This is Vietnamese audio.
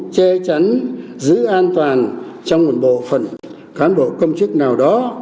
che chắn giữ an toàn trong một bộ phận cán bộ công chức nào đó